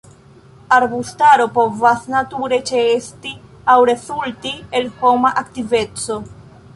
Arbustaro povas nature ĉeesti aŭ rezulti el homa aktiveco.